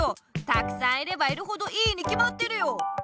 たくさんいればいるほどいいにきまってるよ！